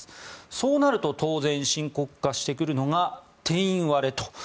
そうなると当然、深刻化してくるのが定員割れと。